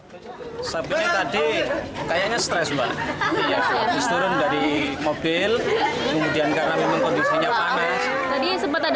tapi tidak sampai